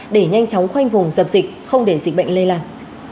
để nhanh chóng khoanh vùng dập dịch không để dịch bệnh lây lan